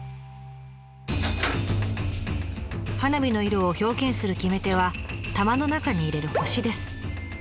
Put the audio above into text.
花火の色を表現する決め手は玉の中に入れる星です。